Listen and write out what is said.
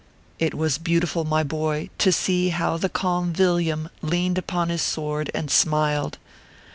It was beautiful, my boy, to see how the calm Vil liam leaned upon his sword and smiled.